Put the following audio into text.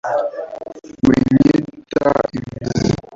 winyita impezi